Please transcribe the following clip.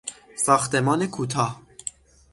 ساختمان کوتاه